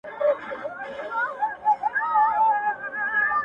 پښتین ته:؛